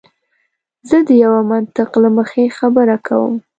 زه د یوه منطق له مخې خبره کوم.